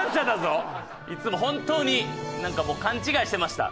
いつも本当になんかもう勘違いしてました。